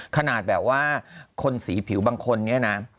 ขนาดแบบว่าคนสีผิวบางคนเนี่ยนะ